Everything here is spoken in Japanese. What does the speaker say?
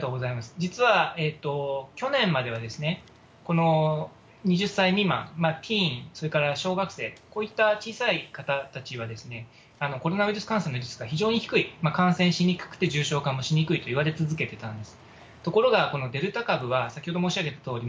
実は去年までは、この２０歳未満、ティーン、それから小学生、こういった小さい方たちは、コロナウイルス感染リスクの非常に低い、感染しにくくて重症化もしにくいといわれ続けてたんです。